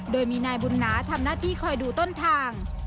โดยมีนายบุญนาทำหน้าที่คอยดูต้นทาง